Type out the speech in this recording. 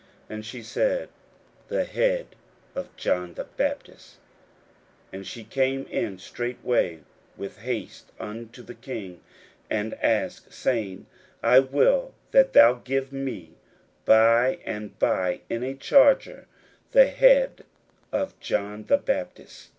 And she said, The head of John the Baptist. 41:006:025 And she came in straightway with haste unto the king, and asked, saying, I will that thou give me by and by in a charger the head of John the Baptist.